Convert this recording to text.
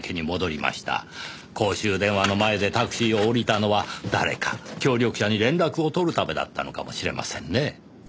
公衆電話の前でタクシーを降りたのは誰か協力者に連絡を取るためだったのかもしれませんねぇ。